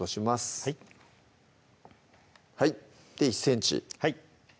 はいはいで１ｃｍはい